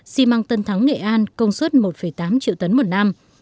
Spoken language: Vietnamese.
xi măng tân thắng nghệ an công suất một tám triệu tấn một năm